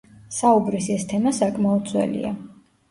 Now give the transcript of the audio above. საუბრის ეს თემა საკმაოდ ძველია.